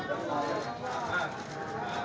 semua hanya berarlan